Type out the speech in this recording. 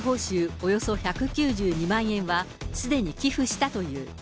およそ１９２万円は、すでに寄付したという。